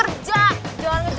rea aduh hati hati